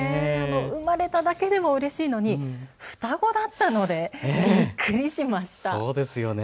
生まれただけでもうれしいのに双子だったのでびっくりしました。